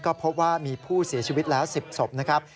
ก็พบว่ามีผู้เสียชีวิตแล้ว๑๐ศพนะครับ